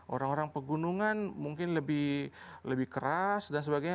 orang orang pegunungan mungkin lebih keras dan sebagainya